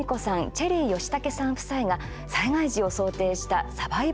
チェリー吉武さん夫妻が災害時を想定したサバイバル生活に挑戦。